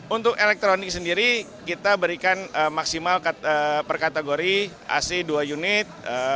untuk elektronik sendiri kita berikan maksimal per kategori ac dua unit